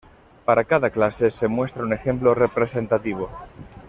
Para cada clase, se muestra un ejemplo representativo.